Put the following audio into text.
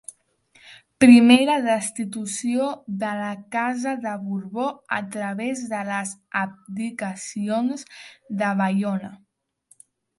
Primera destitució de la casa de Borbó a través de les abdicacions de Baiona.